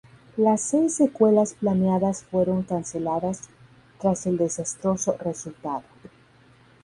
Las seis secuelas planeadas fueron canceladas tras el desastroso resultado.